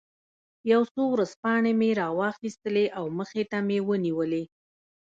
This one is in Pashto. یو څو ورځپاڼې مې را وویستلې او مخې ته مې ونیولې.